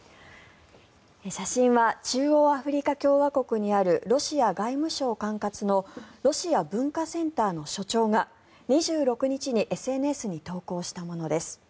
写真は中央アフリカ共和国にあるロシア外務省管轄のロシア文化センターの所長が２６日にＳＮＳに投稿したものです。